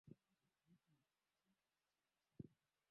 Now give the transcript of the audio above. ya Kiarabu pamoja na kujiunga na Uislamu Bila shaka wazazi